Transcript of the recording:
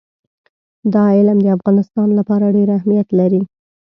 دا علم د افغانستان لپاره ډېر اهمیت لري.